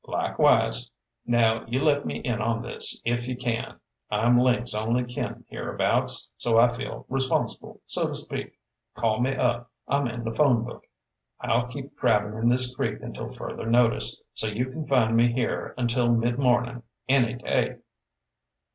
"Likewise. Now, you let me in on this if you can. I'm Link's only kin hereabouts, so I feel responsible, so to speak. Call me up. I'm in the phone book. I'll keep crabbin' in this creek until further notice, so you can find me here until midmornin' any day."